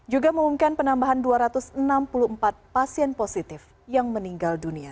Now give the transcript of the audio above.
juga mengumumkan penambahan dua ratus enam puluh empat pasien positif yang meninggal dunia